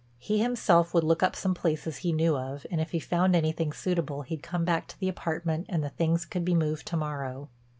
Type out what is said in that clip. He himself would look up some places he knew of, and if he found anything suitable he'd come back to the apartment and the things could be moved to morrow.